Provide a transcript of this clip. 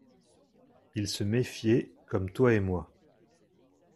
Ils se méfiaient comme toi et moi.